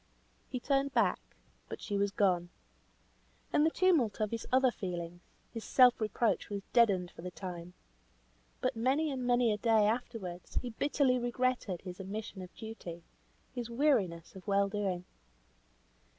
He turned back, but she was gone. In the tumult of his other feelings, his self reproach was deadened for the time. But many and many a day afterwards he bitterly regretted his omission of duty; his weariness of well doing.